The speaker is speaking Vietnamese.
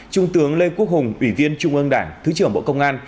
trung tướng lê quốc hùng ủy viên trung ương đảng thứ trưởng bộ công an